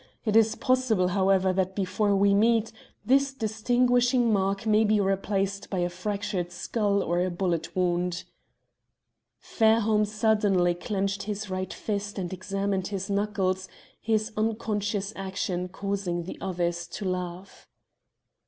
It is possible, however, that before we meet, this distinguishing mark may be replaced by a fractured skull or a bullet wound." Fairholme suddenly clenched his right fist and examined his knuckles, his unconscious action causing the others to laugh.